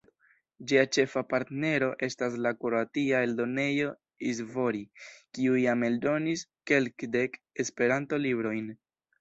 Ĝia ĉefa partnero estas la kroatia eldonejo Izvori, kiu jam eldonis kelkdek Esperanto-librojn.